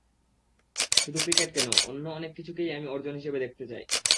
শুধু ক্রিকেট কেন, অন্য অনেক কিছুকেই আমি অর্জন হিসেবে দেখতে চাই।